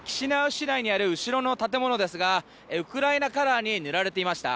市内にある後ろの建物ですがウクライナカラーに塗られていました。